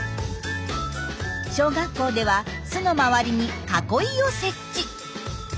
小学校では巣の周りに囲いを設置。